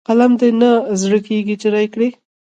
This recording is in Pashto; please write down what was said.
قلم دې نه زړه کېږي چې رايې کړئ.